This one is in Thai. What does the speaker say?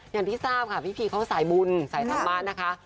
อย่างที่ทราบพี่พีเขาสายบุญสายธรรมะ